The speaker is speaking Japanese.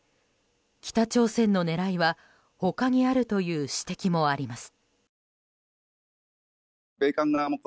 北朝鮮の狙いは他にあるという指摘もあります。